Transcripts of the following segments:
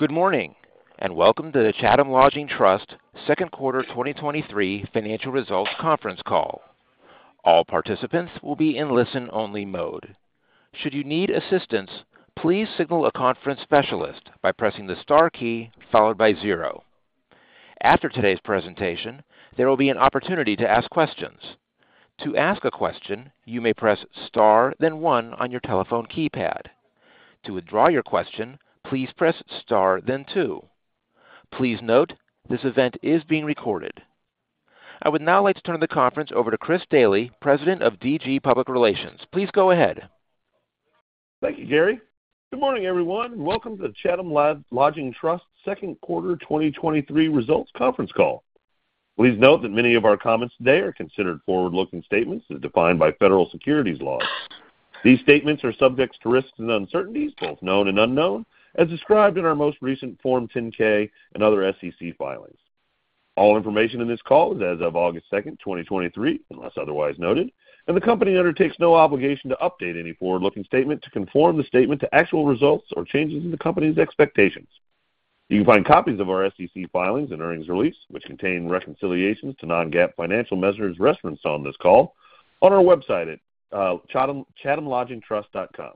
Good morning, and welcome to the Chatham Lodging Trust second quarter 2023 financial results conference call. All participants will be in listen-only mode. Should you need assistance, please signal a conference specialist by pressing the star key followed by zero. After today's presentation, there will be an opportunity to ask questions. To ask a question, you may press star, then one on your telephone keypad. To withdraw your question, please press star, then two. Please note, this event is being recorded. I would now like to turn the conference over to Chris Daly, President of DG Public Relations. Please go ahead. Thank you, Gary. Good morning, everyone, and welcome to the Chatham Lodging Trust second quarter 2023 results conference call. Please note that many of our comments today are considered forward-looking statements as defined by federal securities laws. These statements are subject to risks and uncertainties, both known and unknown, as described in our most recent Form 10-K and other SEC filings. All information in this call is as of August 2, 2023, unless otherwise noted, and the company undertakes no obligation to update any forward-looking statement to conform the statement to actual results or changes in the company's expectations. You can find copies of our SEC filings and earnings release, which contain reconciliations to non-GAAP financial measures referenced on this call, on our website at chathamlodgingtrust.com.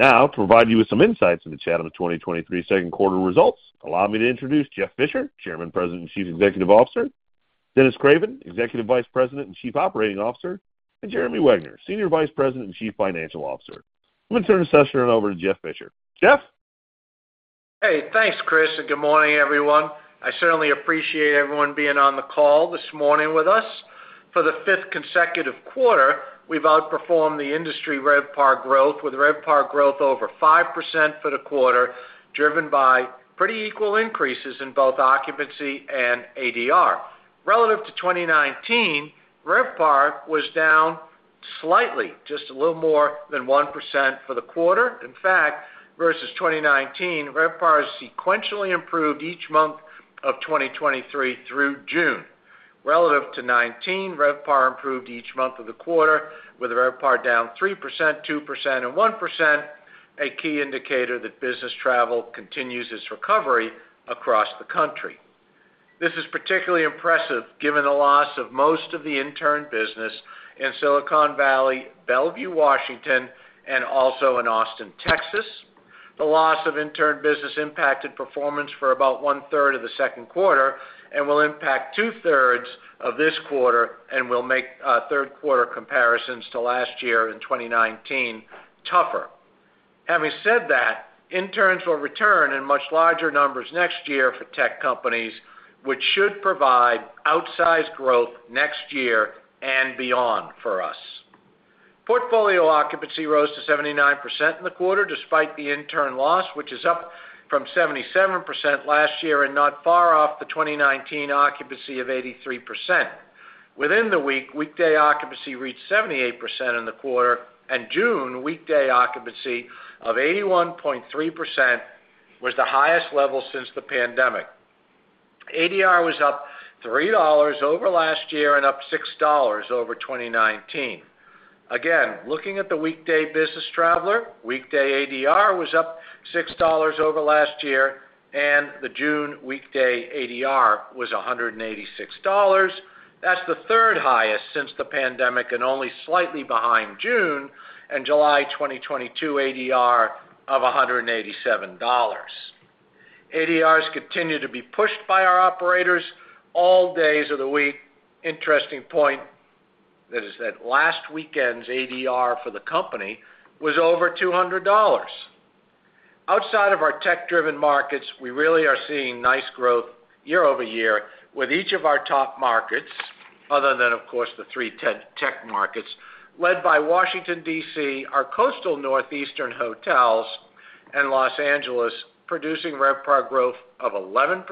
To provide you with some insights into Chatham of 2023 second quarter results, allow me to introduce Jeff Fisher, Chairman, President, and Chief Executive Officer, Dennis Craven, Executive Vice President and Chief Operating Officer, and Jeremy Wegner, Senior Vice President and Chief Financial Officer. I'm going to turn the session over to Jeff Fisher. Jeff? Hey, thanks, Chris. Good morning, everyone. I certainly appreciate everyone being on the call this morning with us. For the fifth consecutive quarter, we've outperformed the industry RevPAR growth, with RevPAR growth over 5% for the quarter, driven by pretty equal increases in both occupancy and ADR. Relative to 2019, RevPAR was down slightly, just a little more than 1% for the quarter. In fact, versus 2019, RevPAR sequentially improved each month of 2023 through June. Relative to 2019, RevPAR improved each month of the quarter, with RevPAR down 3%, 2%, and 1%, a key indicator that business travel continues its recovery across the country. This is particularly impressive given the loss of most of the intern business in Silicon Valley, Bellevue, Washington, and also in Austin, Texas. The loss of intern business impacted performance for about one-third of the second quarter and will impact two-thirds of this quarter and will make third-quarter comparisons to last year in 2019 tougher. Having said that, interns will return in much larger numbers next year for tech companies, which should provide outsized growth next year and beyond for us. Portfolio occupancy rose to 79% in the quarter, despite the intern loss, which is up from 77% last year and not far off the 2019 occupancy of 83%. Within the week, weekday occupancy reached 78% in the quarter, and June weekday occupancy of 81.3% was the highest level since the pandemic. ADR was up $3 over last year and up $6 over 2019. Looking at the weekday business traveler, weekday ADR was up $6 over last year, the June weekday ADR was $186. That's the third highest since the pandemic and only slightly behind June and July 2022 ADR of $187. ADRs continue to be pushed by our operators all days of the week. Interesting point is that last weekend's ADR for the company was over $200. Outside of our tech-driven markets, we really are seeing nice growth year-over-year with each of our top markets, other than, of course, the three tech, tech markets, led by Washington, D.C., our coastal northeastern hotels in Los Angeles, producing RevPAR growth of 11%,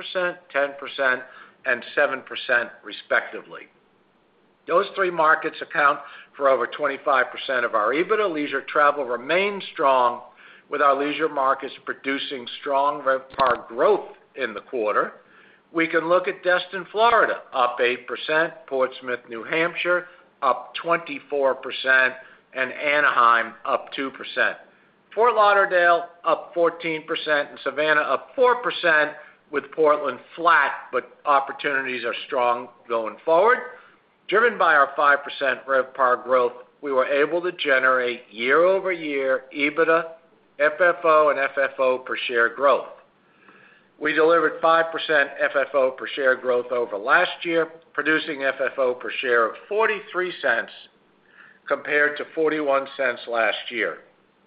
10%, and 7%, respectively. Those three markets account for over 25% of our EBITDA. Leisure travel remains strong, with our leisure markets producing strong RevPAR growth in the quarter. We can look at Destin, Florida, up 8%, Portsmouth, New Hampshire, up 24%, and Anaheim, up 2%. Fort Lauderdale, up 14%, and Savannah, up 4%, with Portland flat, but opportunities are strong going forward. Driven by our 5% RevPAR growth, we were able to generate year-over-year EBITDA, FFO, and FFO per share growth. We delivered 5% FFO per share growth over last year, producing FFO per share of $0.43 compared to $0.41 last year.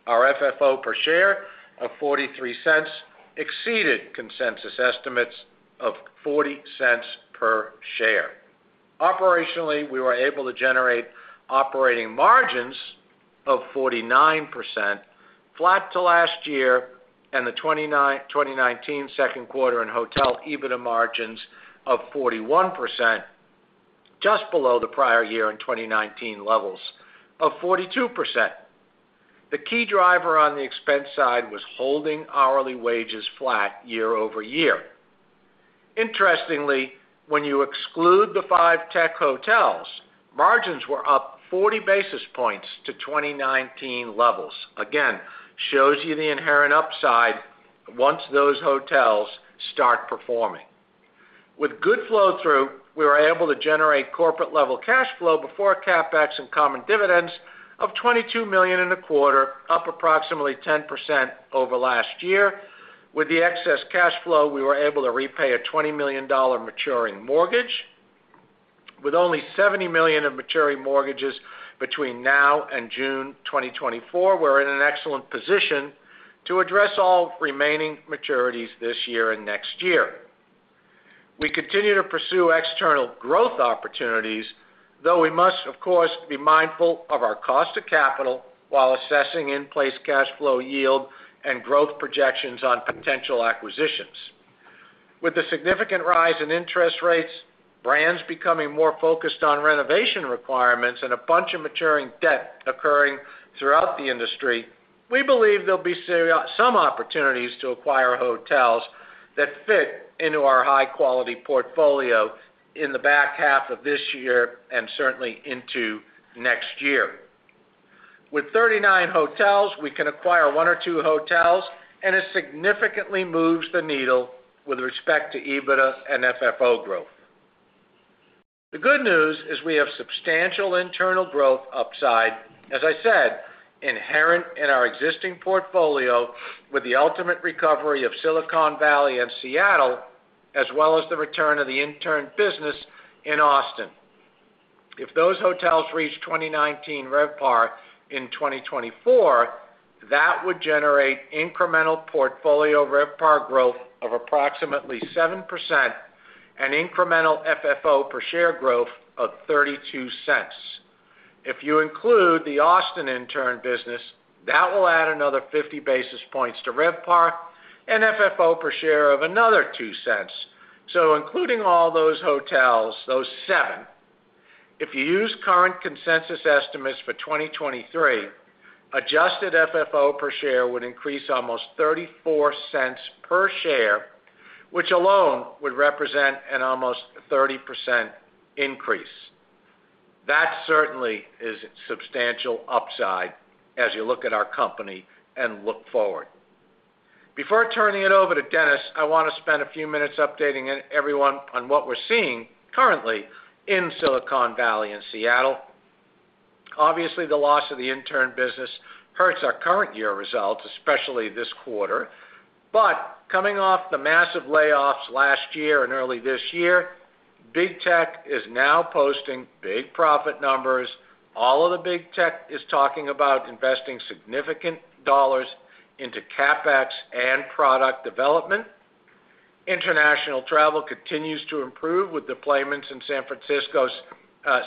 Our FFO per share of $0.43 exceeded consensus estimates of $0.40 per share. Operationally, we were able to generate operating margins of 49%, flat to last year, and the 2019 second quarter in hotel EBITDA margins of 41%, just below the prior year in 2019 levels of 42%. The key driver on the expense side was holding hourly wages flat year-over-year. Interestingly, when you exclude the five tech hotels, margins were up 40 basis points to 2019 levels. Again, shows you the inherent upside once those hotels start performing. With good flow-through, we were able to generate corporate-level cash flow before CapEx and common dividends of $22 million in a quarter, up approximately 10% over last year. With the excess cash flow, we were able to repay a $20 million maturing mortgage. With only $70 million of maturing mortgages between now and June 2024, we're in an excellent position to address all remaining maturities this year and next year. We continue to pursue external growth opportunities, though we must, of course, be mindful of our cost of capital while assessing in-place cash flow yield and growth projections on potential acquisitions. With the significant rise in interest rates, brands becoming more focused on renovation requirements, and a bunch of maturing debt occurring throughout the industry, we believe there'll be some opportunities to acquire hotels that fit into our high-quality portfolio in the back half of this year and certainly into next year. With 39 hotels, we can acquire one or two hotels, and it significantly moves the needle with respect to EBITDA and FFO growth. The good news is we have substantial internal growth upside, as I said, inherent in our existing portfolio, with the ultimate recovery of Silicon Valley and Seattle, as well as the return of the intern business in Austin. If those hotels reach 2019 RevPAR in 2024, that would generate incremental portfolio RevPAR growth of approximately 7% and incremental FFO per share growth of $0.32. If you include the Austin intern business, that will add another 50 basis points to RevPAR and FFO per share of another $0.02. Including all those hotels, those seven, if you use current consensus estimates for 2023, adjusted FFO per share would increase almost $0.34 per share, which alone would represent an almost 30% increase. That certainly is substantial upside as you look at our company and look forward. Before turning it over to Dennis, I want to spend a few minutes updating everyone on what we're seeing currently in Silicon Valley and Seattle. Obviously, the loss of the intern business hurts our current year results, especially this quarter. Coming off the massive layoffs last year and early this year, big tech is now posting big profit numbers. All of the big tech is talking about investing significant dollars into CapEx and product development. International travel continues to improve, with deployments in San Francisco's,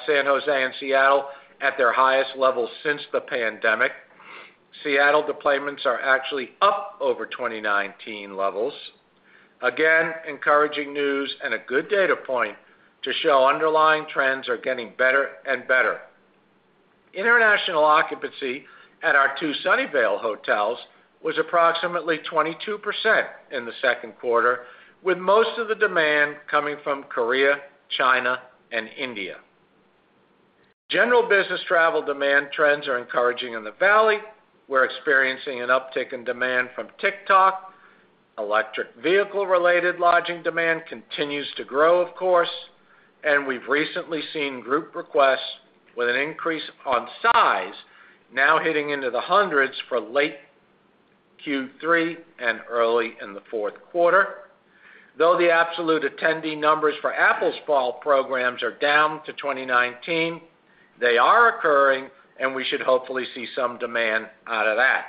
San Jose and Seattle at their highest levels since the pandemic. Seattle deployments are actually up over 2019 levels. Again, encouraging news and a good data point to show underlying trends are getting better and better. International occupancy at our two Sunnyvale hotels was approximately 22% in the second quarter, with most of the demand coming from Korea, China, and India. General business travel demand trends are encouraging in the valley. We're experiencing an uptick in demand from TikTok. Electric vehicle-related lodging demand continues to grow, of course, and we've recently seen group requests with an increase on size, now hitting into the hundreds for late Q3 and early in the fourth quarter. Though the absolute attendee numbers for Apple's fall programs are down to 2019, they are occurring, and we should hopefully see some demand out of that.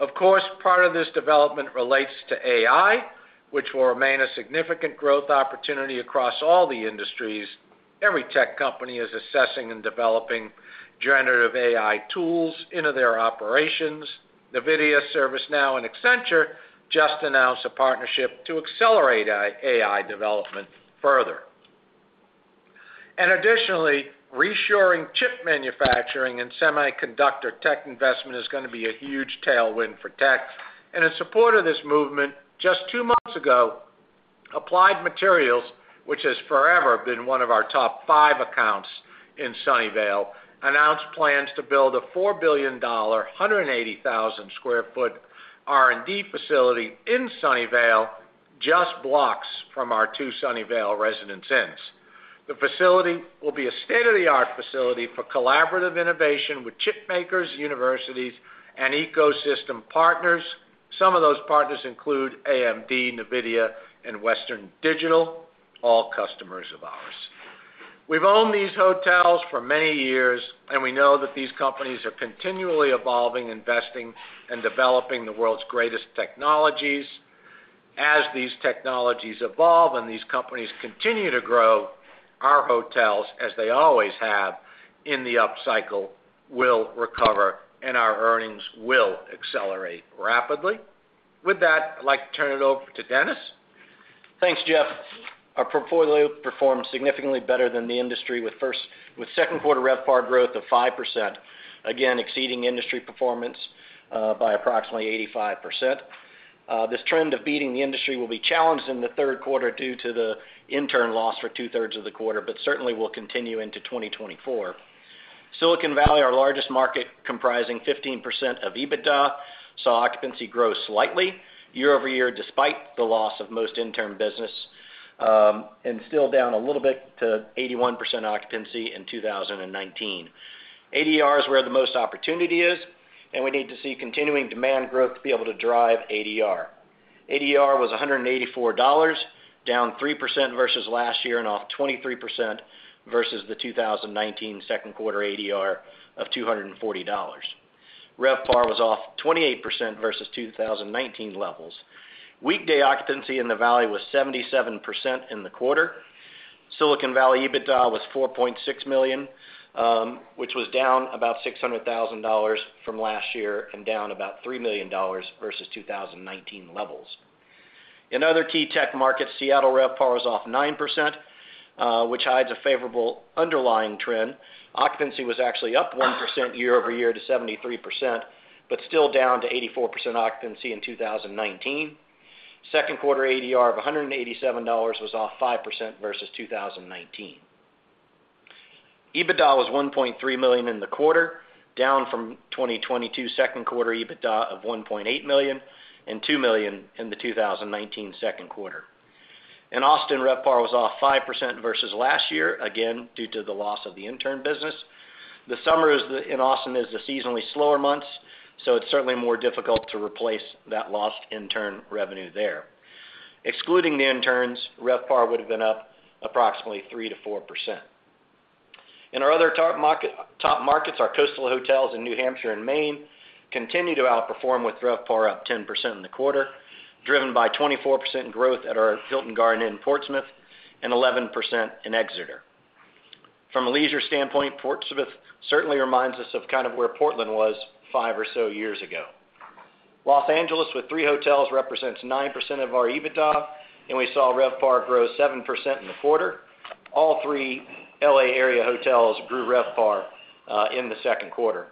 Of course, part of this development relates to AI, which will remain a significant growth opportunity across all the industries. Every tech company is assessing and developing generative AI tools into their operations. NVIDIA, ServiceNow, and Accenture just announced a partnership to accelerate AI development further. Additionally, reshoring chip manufacturing and semiconductor tech investment is gonna be a huge tailwind for tech. In support of this movement, just 2 months ago, Applied Materials, which has forever been one of our top five accounts in Sunnyvale, announced plans to build a $4 billion, 180,000 sq ft R&D facility in Sunnyvale, just blocks from our 2 Sunnyvale Residence Inns. The facility will be a state-of-the-art facility for collaborative innovation with chip makers, universities, and ecosystem partners. Some of those partners include AMD, NVIDIA, and Western Digital, all customers of ours. We've owned these hotels for many years, and we know that these companies are continually evolving, investing, and developing the world's greatest technologies. As these technologies evolve and these companies continue to grow, our hotels, as they always have in the upcycle, will recover, and our earnings will accelerate rapidly. With that, I'd like to turn it over to Dennis. Thanks, Jeff. Our portfolio performed significantly better than the industry, with second quarter RevPAR growth of 5%, again, exceeding industry performance by approximately 85%. This trend of beating the industry will be challenged in the third quarter due to the intern loss for two-thirds of the quarter, but certainly will continue into 2024. Silicon Valley, our largest market, comprising 15% of EBITDA, saw occupancy grow slightly year-over-year, despite the loss of most intern business, and still down a little bit to 81% occupancy in 2019. ADR is where the most opportunity is, and we need to see continuing demand growth to be able to drive ADR. ADR was $184, down 3% versus last year and off 23% versus the 2019 second quarter ADR of $240. RevPAR was off 28% versus 2019 levels. Weekday occupancy in the Valley was 77% in the quarter. Silicon Valley EBITDA was $4.6 million, which was down about $600,000 from last year and down about $3 million versus 2019 levels. In other key tech markets, Seattle RevPAR is off 9%, which hides a favorable underlying trend. Occupancy was actually up 1% year-over-year to 73%, but still down to 84% occupancy in 2019. Second quarter ADR of $187 was off 5% versus 2019. EBITDA was $1.3 million in the quarter, down from 2022 second quarter EBITDA of $1.8 million and $2 million in the 2019 second quarter. In Austin, RevPAR was off 5% versus last year, again, due to the loss of the intern business. The summer is the, in Austin, is the seasonally slower months, so it's certainly more difficult to replace that lost intern revenue there. Excluding the interns, RevPAR would've been up approximately 3%-4%. In our other top market, top markets, our coastal hotels in New Hampshire and Maine continue to outperform, with RevPAR up 10% in the quarter, driven by 24% growth at our Hilton Garden Inn in Portsmouth and 11% in Exeter. From a leisure standpoint, Portsmouth certainly reminds us of kind of where Portland was five or so years ago. Los Angeles, with three hotels, represents 9% of our EBITDA, and we saw RevPAR grow 7% in the quarter. All three L.A. area hotels grew RevPAR in the second quarter.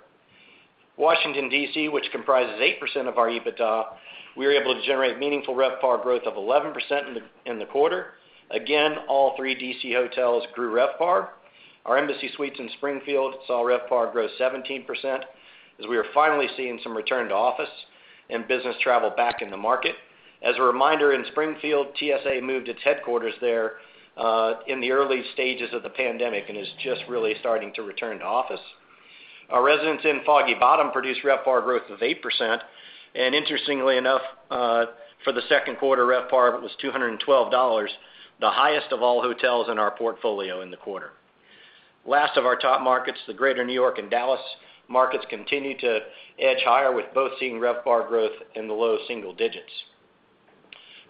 Washington, D.C., which comprises 8% of our EBITDA, we were able to generate meaningful RevPAR growth of 11% in the, in the quarter. Again, all three D.C. hotels grew RevPAR. Our Embassy Suites in Springfield saw RevPAR grow 17%, as we are finally seeing some return to office and business travel back in the market. As a reminder, in Springfield, TSA moved its headquarters there in the early stages of the pandemic and is just really starting to return to office. Our Residence Inn Foggy Bottom produced RevPAR growth of 8%, and interestingly enough, for the second quarter, RevPAR was $212, the highest of all hotels in our portfolio in the quarter. Last of our top markets, the Greater New York and Dallas markets, continue to edge higher, with both seeing RevPAR growth in the low single digits.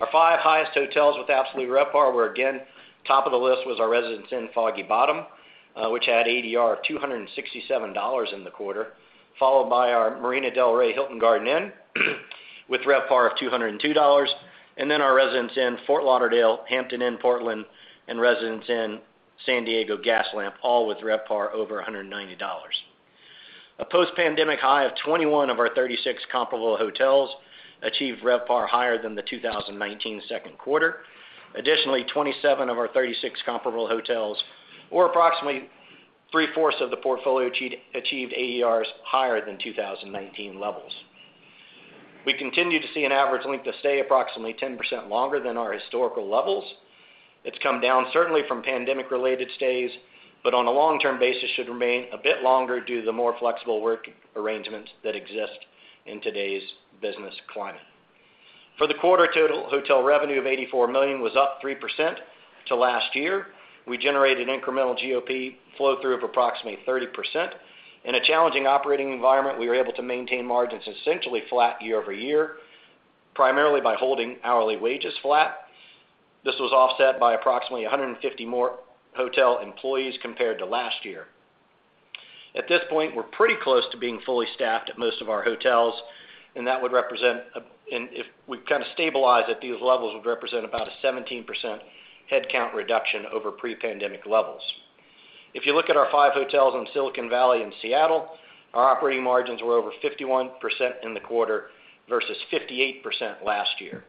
Our five highest hotels with absolute RevPAR were, again, top of the list was our Residence Inn Foggy Bottom, which had ADR of $267 in the quarter, followed by our Marina del Rey Hilton Garden Inn, with RevPAR of $202, and then our Residence Inn Fort Lauderdale, Hampton Inn Portland, and Residence Inn San Diego Gaslamp, all with RevPAR over $190. A post-pandemic high of 21 of our 36 comparable hotels achieved RevPAR higher than the 2019 second quarter. Additionally, 27 of our 36 comparable hotels, or approximately three-fourths of the portfolio, achieved ADRs higher than 2019 levels. We continue to see an average length of stay approximately 10% longer than our historical levels. It's come down, certainly from pandemic-related stays, but on a long-term basis, should remain a bit longer due to the more flexible work arrangements that exist in today's business climate. For the quarter, total hotel revenue of $84 million was up 3% to last year. We generated an incremental GOP flow-through of approximately 30%. In a challenging operating environment, we were able to maintain margins essentially flat year-over-year, primarily by holding hourly wages flat. This was offset by approximately 150 more hotel employees compared to last year. At this point, we're pretty close to being fully staffed at most of our hotels, and that would represent a, if we kind of stabilize at these levels, would represent about a 17% headcount reduction over pre-pandemic levels. If you look at our five hotels in Silicon Valley and Seattle, our operating margins were over 51% in the quarter versus 58% last year.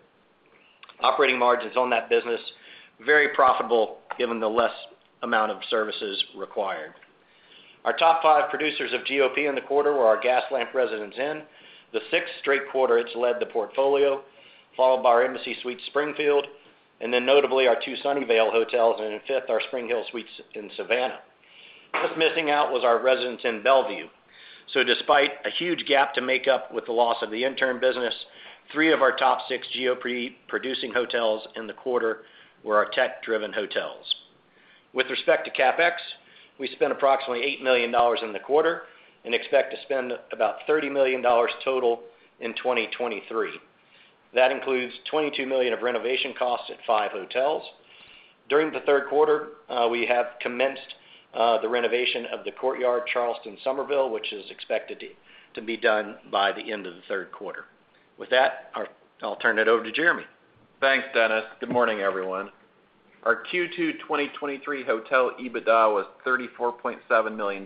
Operating margins on that business, very profitable, given the less amount of services required. Our top five producers of GOP in the quarter were our Gaslamp Residence Inn, the sixth straight quarter it's led the portfolio, followed by our Embassy Suites Springfield, and then notably, our two Sunnyvale hotels, and in fifth, our SpringHill Suites in Savannah. Just missing out was our Residence Inn Bellevue. Despite a huge gap to make up with the loss of the intern business, three of our top six GOP-producing hotels in the quarter were our tech-driven hotels. With respect to CapEx, we spent approximately $8 million in the quarter and expect to spend about $30 million total in 2023. That includes $22 million of renovation costs at five hotels. During the third quarter, we have commenced the renovation of the Courtyard Charleston Summerville, which is expected to, to be done by the end of the third quarter. With that, our, I'll turn it over to Jeremy. Thanks, Dennis. Good morning, everyone. Our Q2 2023 hotel EBITDA was $34.7 million,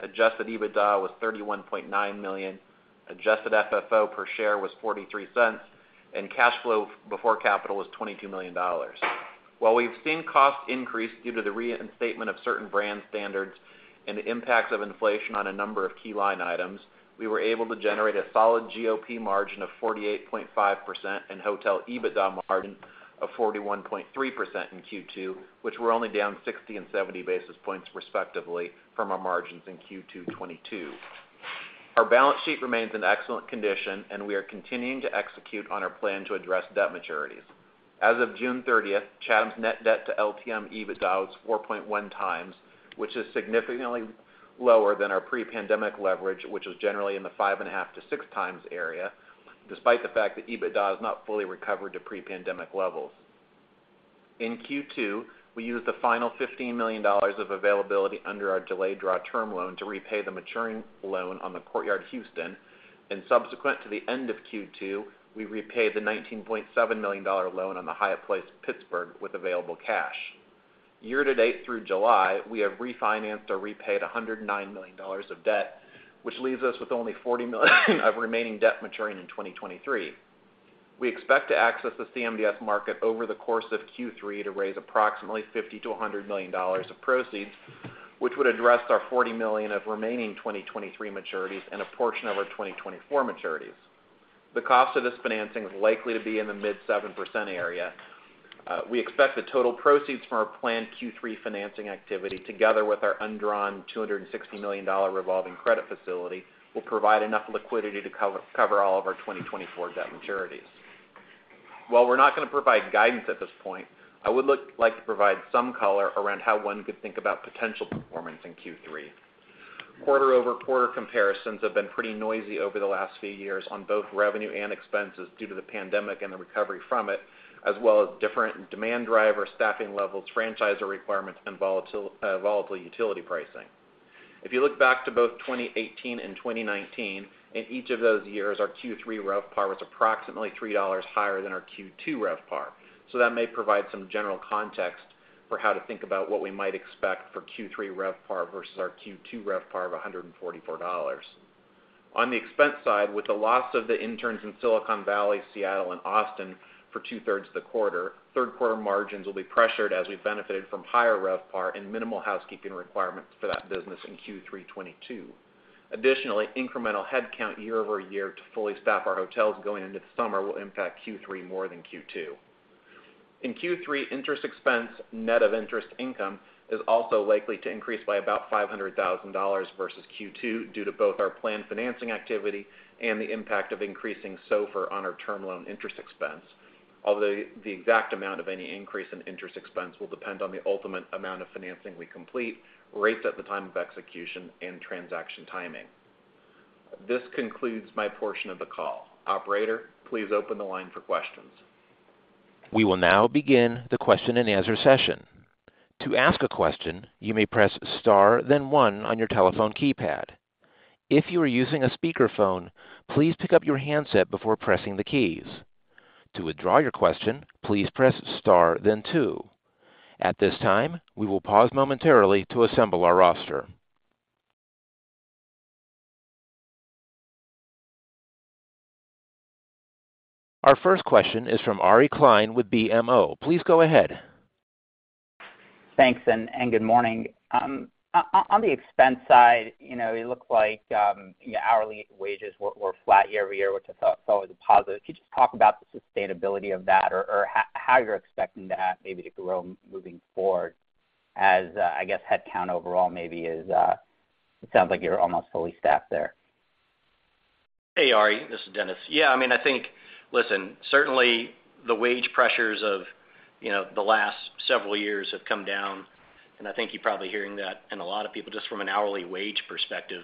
adjusted EBITDA was $31.9 million, adjusted FFO per share was $0.43, and cash flow before capital was $22 million. While we've seen costs increase due to the reinstatement of certain brand standards and the impacts of inflation on a number of key line items, we were able to generate a solid GOP margin of 48.5% and hotel EBITDA margin of 41.3% in Q2, which were only down 60 and 70 basis points, respectively, from our margins in Q2 '22. Our balance sheet remains in excellent condition, and we are continuing to execute on our plan to address debt maturities. As of June 30th, Chatham's net debt to LTM EBITDA was 4.1x, which is significantly lower than our pre-pandemic leverage, which was generally in the 5.5x-6x area, despite the fact that EBITDA has not fully recovered to pre-pandemic levels. In Q2, we used the final $15 million of availability under our delayed draw term loan to repay the maturing loan on the Courtyard Houston. Subsequent to the end of Q2, we repaid the $19.7 million loan on the Hyatt Place, Pittsburgh, with available cash. Year to date through July, we have refinanced or repaid $109 million of debt, which leaves us with only $40 million of remaining debt maturing in 2023. We expect to access the CMBS market over the course of Q3 to raise approximately $50 million-$100 million of proceeds, which would address our $40 million of remaining 2023 maturities and a portion of our 2024 maturities. The cost of this financing is likely to be in the mid 7% area. We expect the total proceeds from our planned Q3 financing activity, together with our undrawn $260 million revolving credit facility, will provide enough liquidity to cover, cover all of our 2024 debt maturities. While we're not gonna provide guidance at this point, I would like to provide some color around how one could think about potential performance in Q3. Quarter-over-quarter comparisons have been pretty noisy over the last few years on both revenue and expenses due to the pandemic and the recovery from it, as well as different demand drivers, staffing levels, franchisor requirements, and volatile utility pricing. If you look back to both 2018 and 2019, in each of those years, our Q3 RevPAR was approximately $3 higher than our Q2 RevPAR. That may provide some general context for how to think about what we might expect for Q3 RevPAR versus our Q2 RevPAR of $144. On the expense side, with the loss of the interns in Silicon Valley, Seattle, and Austin for two-thirds of the quarter, third quarter margins will be pressured as we benefited from higher RevPAR and minimal housekeeping requirements for that business in Q3 2022. Additionally, incremental headcount year-over-year to fully staff our hotels going into the summer will impact Q3 more than Q2. In Q3, interest expense, net of interest income, is also likely to increase by about $500,000 versus Q2 due to both our planned financing activity and the impact of increasing SOFR on our term loan interest expense, although the exact amount of any increase in interest expense will depend on the ultimate amount of financing we complete, rates at the time of execution, and transaction timing. This concludes my portion of the call. Operator, please open the line for questions. We will now begin the question-and-answer session. To ask a question, you may press star then one on your telephone keypad. If you are using a speakerphone, please pick up your handset before pressing the keys. To withdraw your question, please press star then two. At this time, we will pause momentarily to assemble our roster. Our first question is from Ari Klein with BMO. Please go ahead. Thanks, and good morning. On the expense side, you know, it looks like, yeah, hourly wages were flat year-over-year, which I thought was a positive. Could you just talk about the sustainability of that or how you're expecting that maybe to grow moving forward as, I guess, headcount overall maybe is? It sounds like you're almost fully staffed there. Hey, Ari, this is Dennis. Yeah, I mean, I think, listen, certainly the wage pressures of, you know, the last several years have come down, and I think you're probably hearing that in a lot of people just from an hourly wage perspective.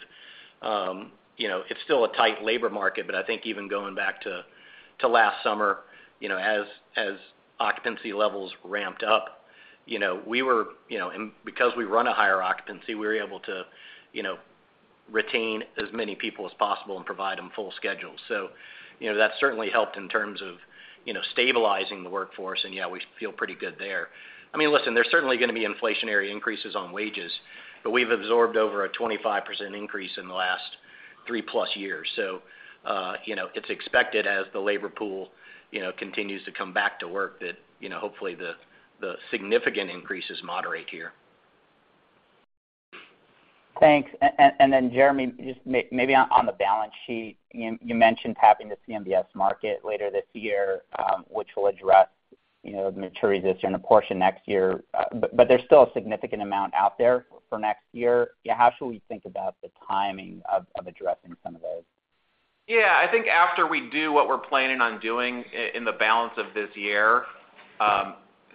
You know, it's still a tight labor market, but I think even going back to, to last summer, you know, as, as occupancy levels ramped up, you know, we were, you know, and because we run a higher occupancy, we were able to, you know, retain as many people as possible and provide them full schedules. You know, that certainly helped in terms of, you know, stabilizing the workforce, and yeah, we feel pretty good there. I mean, listen, there's certainly gonna be inflationary increases on wages, but we've absorbed over a 25% increase in the last 3+ years. You know, it's expected as the labor pool, you know, continues to come back to work that, you know, hopefully, the, the significant increases moderate here. Thanks. Then, Jeremy, just maybe on, on the balance sheet, you, you mentioned tapping the CMBS market later this year, which will address, you know, the maturities this year and a portion next year. There's still a significant amount out there for next year. How should we think about the timing of, of addressing some of those? Yeah. I think after we do what we're planning on doing in the balance of this year,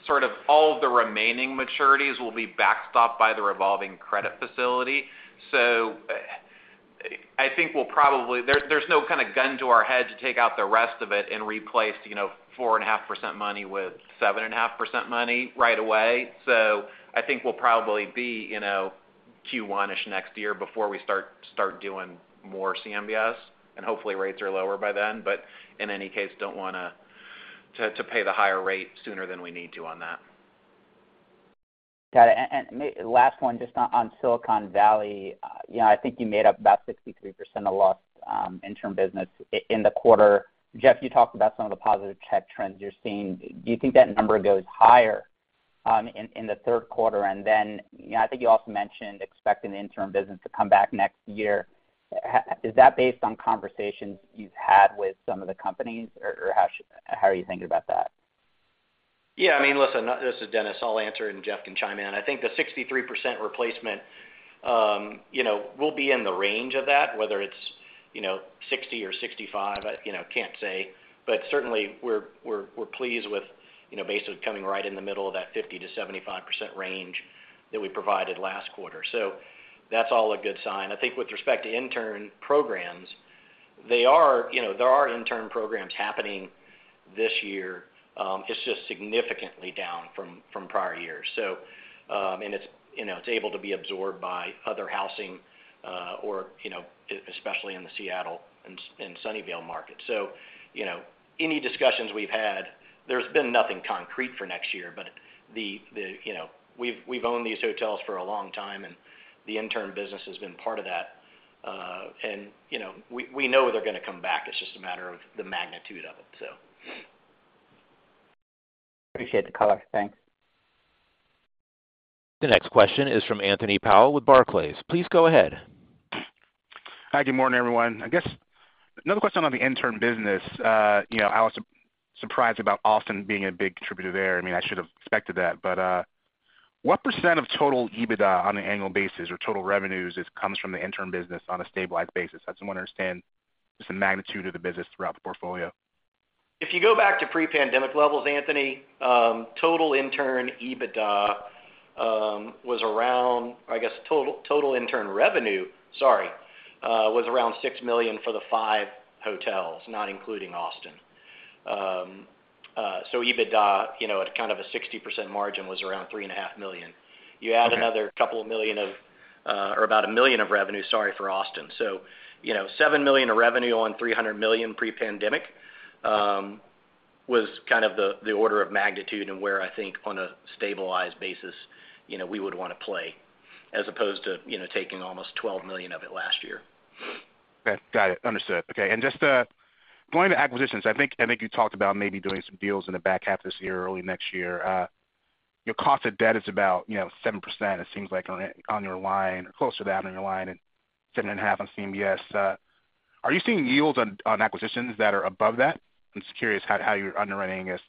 sort of all the remaining maturities will be backstopped by the revolving credit facility. I think we'll probably there's, there's no kind of gun to our head to take out the rest of it and replace, you know, 4.5% money with 7.5% money right away. I think we'll probably be, you know... Q1-ish next year before we start doing more CMBS. Hopefully rates are lower by then. In any case, don't want to pay the higher rate sooner than we need to on that. Got it. Last one, just on Silicon Valley. you know, I think you made up about 63% of lost interim business in the quarter. Jeff, you talked about some of the positive tech trends you're seeing. Do you think that number goes higher in the third quarter? you know, I think you also mentioned expecting the interim business to come back next year. Is that based on conversations you've had with some of the companies, or how are you thinking about that? Yeah, I mean, listen, this is Dennis. I'll answer, and Jeff can chime in. I think the 63% replacement, you know, we'll be in the range of that, whether it's, you know, 60 or 65, I, you know, can't say. Certainly, we're, we're, we're pleased with, you know, basically coming right in the middle of that 50%-75% range that we provided last quarter. That's all a good sign. I think with respect to intern programs, they are, you know, there are intern programs happening this year, it's just significantly down from, from prior years. It's, you know, it's able to be absorbed by other housing, or, you know, especially in the Seattle and Sunnyvale market. You know, any discussions we've had, there's been nothing concrete for next year, but you know, we've, we've owned these hotels for a long time, and the intern business has been part of that. You know, we, we know they're going to come back. It's just a matter of the magnitude of it, so. Appreciate the color. Thanks. The next question is from Anthony Powell with Barclays. Please go ahead. Hi, good morning, everyone. I guess another question on the intern business. You know, I was surprised about Austin being a big contributor there. I mean, I should have expected that, but what percent of total EBITDA on an annual basis or total revenues is-- comes from the intern business on a stabilized basis? I just want to understand just the magnitude of the business throughout the portfolio. If you go back to pre-pandemic levels, Anthony, total intern EBITDA, was around... I guess, total, total intern revenue, sorry, was around $6 million for the five hotels, not including Austin. So EBITDA, you know, at kind of a 60% margin, was around $3.5 million. Okay. You add another $2 million of, or about $1 million of revenue, sorry, for Austin. You know, $7 million of revenue on $300 million pre-pandemic, was kind of the, the order of magnitude and where I think on a stabilized basis, you know, we would want to play, as opposed to, you know, taking almost $12 million of it last year. Okay, got it. Understood. Okay, just going to acquisitions, I think, I think you talked about maybe doing some deals in the back half of this year, early next year. Your cost of debt is about, you know, 7%. It seems like on, on your line or close to that on your line, and 7.5% on CMBS. Are you seeing yields on, on acquisitions that are above that? I'm just curious how, how you're underwriting as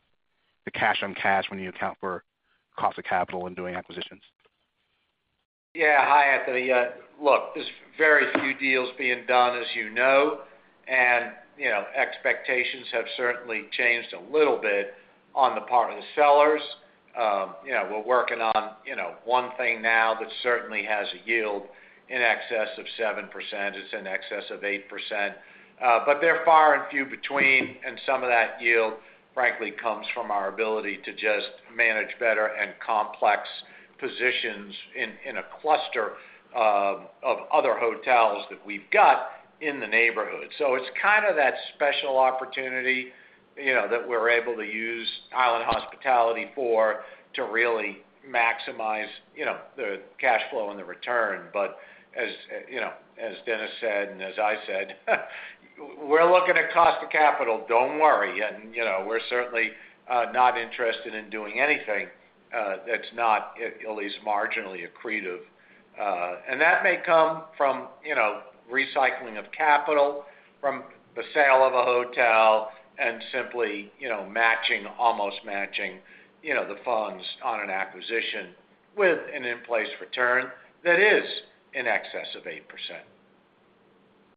the cash on cash when you account for cost of capital in doing acquisitions. Yeah. Hi, Anthony. Look, there's very few deals being done, as you know, and, you know, expectations have certainly changed a little bit on the part of the sellers. You know, we're working on, you know, one thing now that certainly has a yield in excess of 7%. It's in excess of 8%. They're far and few between, and some of that yield, frankly, comes from our ability to just manage better and complex positions in, in a cluster of other hotels that we've got in the neighborhood. It's kind of that special opportunity, you know, that we're able to use Island Hospitality for, to really maximize, you know, the cash flow and the return. As, you know, as Dennis said, and as I said, we're looking at cost of capital, don't worry. You know, we're certainly not interested in doing anything that's not at least marginally accretive. That may come from, you know, recycling of capital, from the sale of a hotel, and simply, you know, matching, almost matching, you know, the funds on an acquisition with an in-place return that is in excess of 8%.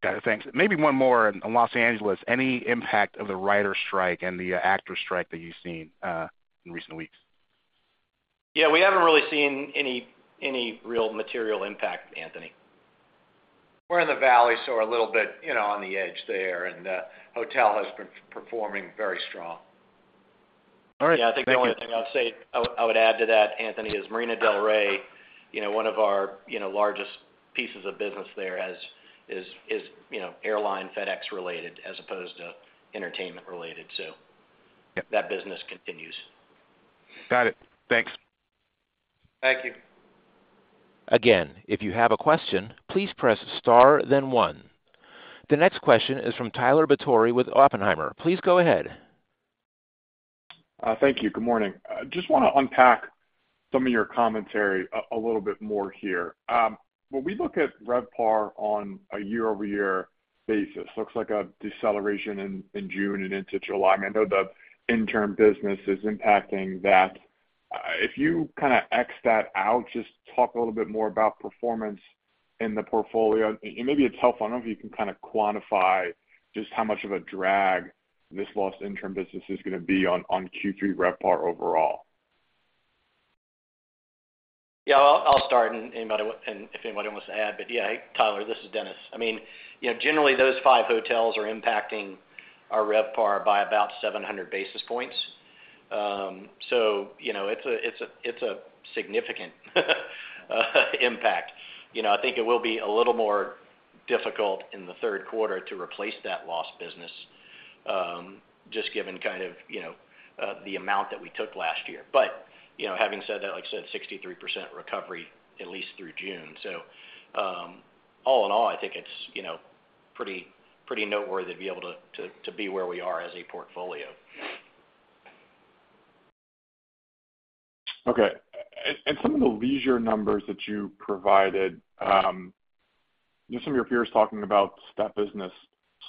Got it. Thanks. Maybe one more on Los Angeles. Any impact of the writer strike and the actor strike that you've seen in recent weeks? Yeah, we haven't really seen any, any real material impact, Anthony. We're in the valley, so a little bit, you know, on the edge there, and hotel has been performing very strong. All right. Thank you. Yeah, I think the only thing I'll say, I would add to that, Anthony, is Marina del Rey, one of our, you know, largest pieces of business there is airline FedEx related, as opposed to entertainment related. Yep. That business continues. Got it. Thanks. Thank you. Again, if you have a question, please press star, then one. The next question is from Tyler Batory with Oppenheimer. Please go ahead. Thank you. Good morning. I just want to unpack some of your commentary a little bit more here. When we look at RevPAR on a year-over-year basis, looks like a deceleration in June and into July. I mean, I know the intern business is impacting that. If you kind of X that out, just talk a little bit more about performance in the portfolio. Maybe it's helpful, I don't know if you can kind of quantify just how much of a drag this lost intern business is going to be on Q3 RevPAR overall. Yeah, I'll start and if anybody wants to add. Yeah, Tyler, this is Dennis. I mean, generally, those 5 hotels are impacting our RevPAR by about 700 basis points. So, it's a significant impact. I think it will be a little more difficult in the third quarter to replace that lost business, just given kind of the amount that we took last year. Having said that, like I said, 63% recovery, at least through June. All in all, I think it's pretty noteworthy to be able to be where we are as a portfolio. Okay. Some of the leisure numbers that you provided, you know, some of your peers talking about that business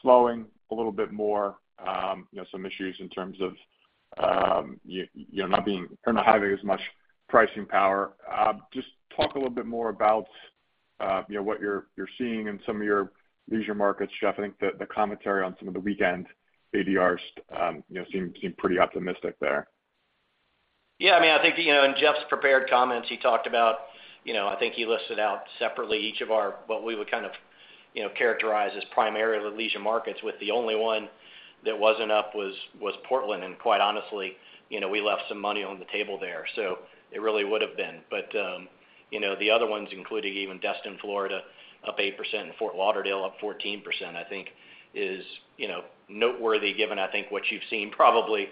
slowing a little bit more, you know, some issues in terms of, you know, not being kind of having as much pricing power. Just talk a little bit more about, you know, what you're, you're seeing in some of your leisure markets, Jeff. I think the, the commentary on some of the weekend ADRs, you know, seem, seem pretty optimistic there. Yeah, I mean, I think, you know, in Jeff's prepared comments, he talked about, you know, I think he listed out separately each of our, what we would kind of, you know, characterize as primarily leisure markets, with the only one that wasn't up was, was Portland. Quite honestly, you know, we left some money on the table there, so it really would have been. You know, the other ones, including even Destin, Florida, up 8%, and Fort Lauderdale, up 14%, I think is, you know, noteworthy, given, I think, what you've seen probably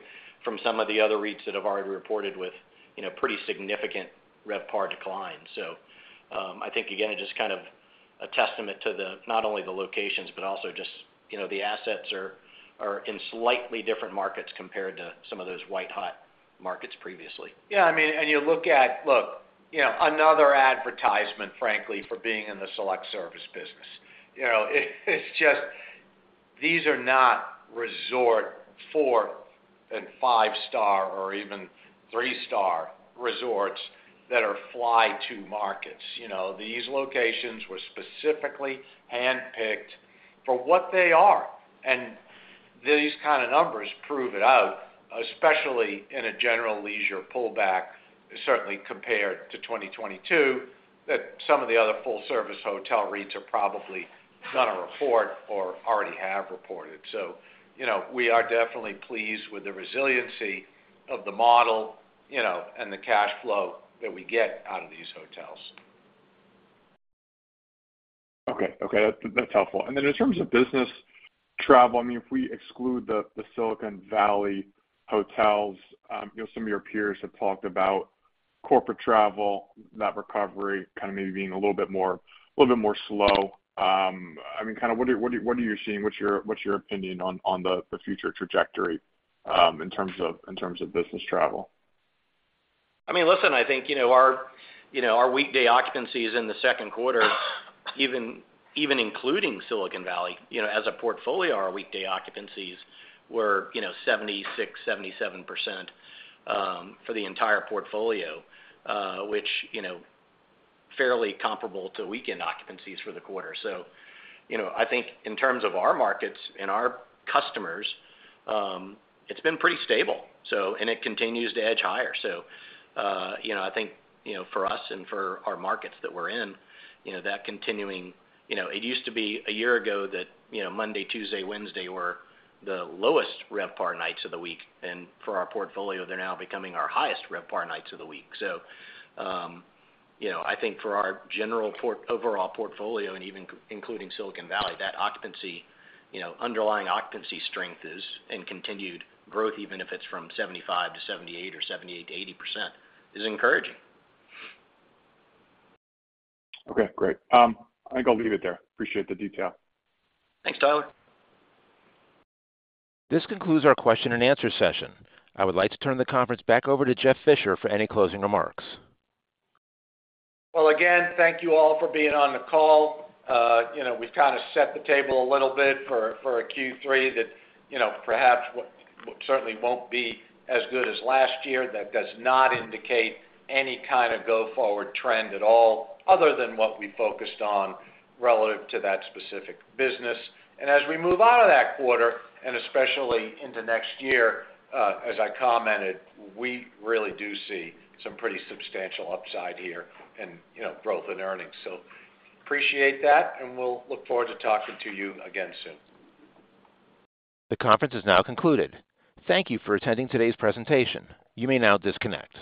from some of the other REITs that have already reported with, you know, pretty significant RevPAR declines. I think, again, it's just kind of a testament to not only the locations, but also just, you know, the assets are, are in slightly different markets compared to some of those white-hot markets previously. Yeah, I mean, you look at... Look, you know, another advertisement, frankly, for being in the select service business. You know, it's just, these are not resort 4 and 5-star or even 3-star resorts that are fly-to markets. You know, these locations were specifically handpicked for what they are, and these kind of numbers prove it out, especially in a general leisure pullback, certainly compared to 2022, that some of the other full-service hotel REITs are probably going to report or already have reported. You know, we are definitely pleased with the resiliency of the model, you know, and the cash flow that we get out of these hotels. Okay. Okay, that- that's helpful. Then in terms of business travel, I mean, if we exclude the, the Silicon Valley hotels, you know, some of your peers have talked about corporate travel, that recovery kind of maybe being a little bit more, a little bit more slow. I mean, kind of, what are, what are you seeing? What's your, what's your opinion on, on the, the future trajectory, in terms of, in terms of business travel? I mean, listen, I think, you know, our, you know, our weekday occupancies in the second quarter, even, even including Silicon Valley, you know, as a portfolio, our weekday occupancies were, you know, 76%, 77% for the entire portfolio, which, you know, fairly comparable to weekend occupancies for the quarter. You know, I think in terms of our markets and our customers, it's been pretty stable, and it continues to edge higher. You know, I think, you know, for us and for our markets that we're in, you know, that continuing. You know, it used to be a year ago that, you know, Monday, Tuesday, Wednesday were the lowest RevPAR nights of the week, and for our portfolio, they're now becoming our highest RevPAR nights of the week. You know, I think for our overall portfolio, and even including Silicon Valley, that occupancy, you know, underlying occupancy strength is, and continued growth, even if it's from 75% to 78% or 78% to 80%, is encouraging. Okay, great. I think I'll leave it there. Appreciate the detail. Thanks, Tyler. This concludes our question and answer session. I would like to turn the conference back over to Jeff Fisher for any closing remarks. Well, again, thank you all for being on the call. you know, we've kind of set the table a little bit for a Q3 that, you know, perhaps certainly won't be as good as last year. That does not indicate any kind of go-forward trend at all, other than what we focused on relative to that specific business. As we move out of that quarter, and especially into next year, as I commented, we really do see some pretty substantial upside here and, you know, growth in earnings. Appreciate that, and we'll look forward to talking to you again soon. The conference is now concluded. Thank you for attending today's presentation. You may now disconnect.